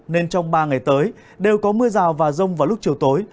nên trong ba ngày tới đều có mưa rào và rông vào lúc chiều tối